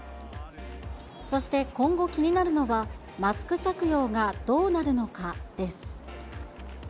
そして今後、気になるのが、マスク着用がどうなるのかです。